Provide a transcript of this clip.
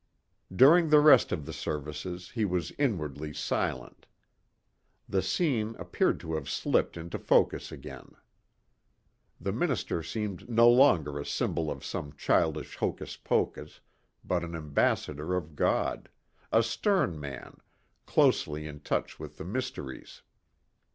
During the rest of the services he was inwardly silent. The scene appeared to have slipped into focus again. The minister seemed no longer a symbol of some childish hocus pocus but an ambassador of God a stern man, closely in touch with the Mysteries.